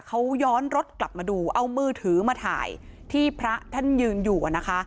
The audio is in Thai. เขาย้อนรถกลับมาดูเอามือถือมาถ่ายที่พระท่านยืนอยู่นะคะ